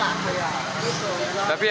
tapi ada barangnya